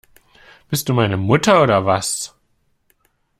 Bist du meine Mutter oder was?